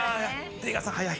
出川さん早い。